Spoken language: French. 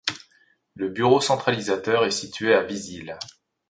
Le bureau centralisateur est situé à Vizille.